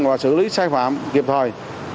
và xử lý sai phạm kịp thời